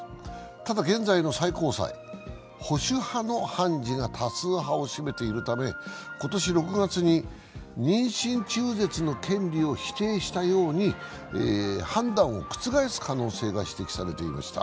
ただ現在の最高裁、保守派の判事が多数派を占めているため今年６月に妊娠中絶の権利を否定したように判断を覆す可能性が指摘されていました。